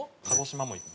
鹿児島も。